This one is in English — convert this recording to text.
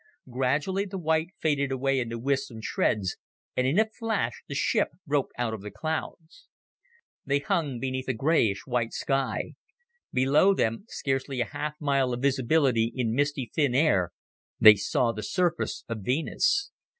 Gradually the white faded away into wisps and shreds, and in a flash the ship broke out of the clouds. They hung beneath a grayish white sky. Below them, scarcely a half mile of visibility in misty, thin air, they saw the surface of Venus.